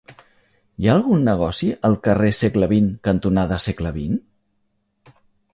Hi ha algun negoci al carrer Segle XX cantonada Segle XX?